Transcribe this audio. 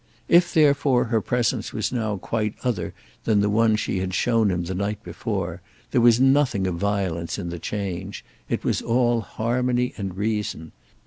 If therefore her presence was now quite other than the one she had shown him the night before, there was nothing of violence in the change—it was all harmony and reason.